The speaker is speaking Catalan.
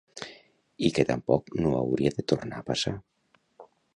I que tampoc no hauria de tornar a passar….